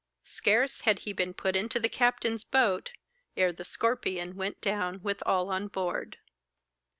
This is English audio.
Scarce had he been put into the captain's boat, ere 'The Scorpion' went down with all on board.